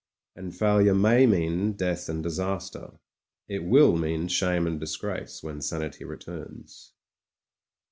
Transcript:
And failure may mean death and disaster ; it wiU mean shame and disgrace, when sanity returns.